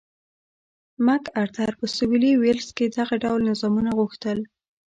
مک ارتر په سوېلي ویلز کې دغه ډول نظامونه غوښتل.